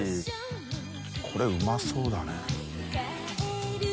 海うまそうだね。